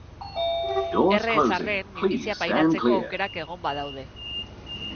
Erre ez arren, minbizia pairatzeko aukerak egon badaude.